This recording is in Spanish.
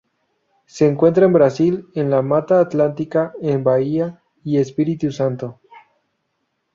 Se encuentra en Brasil en la Mata Atlántica en Bahia y Espírito Santo.